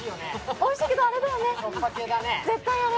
おいしいけど、あれだよね絶対、あれ。